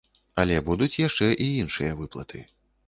Але будуць яшчэ і іншыя выплаты.